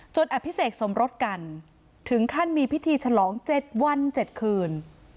อภิเษกสมรสกันถึงขั้นมีพิธีฉลอง๗วัน๗คืน